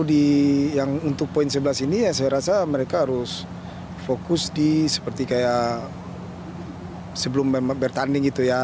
dan yang selalu untuk poin sebelas ini ya saya rasa mereka harus fokus di seperti kayak sebelum bertanding gitu ya